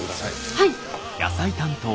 はい。